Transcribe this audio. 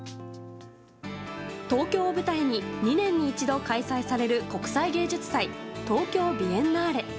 東京を舞台に２年に一度開催される国際芸術祭東京ビエンナーレ。